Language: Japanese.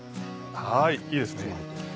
はいいいですね！